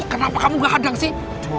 kenapa kamu gak kadang sih